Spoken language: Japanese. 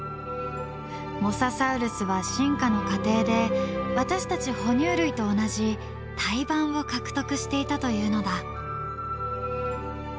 モササウルスは進化の過程で私たち哺乳類と同じ胎盤を獲得していたというのだ。